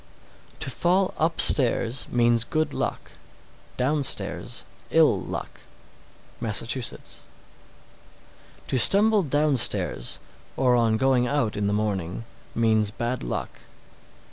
671. To fall upstairs means good luck; downstairs, ill luck. Massachusetts. 672. To stumble downstairs, or on going out in the morning, means bad luck.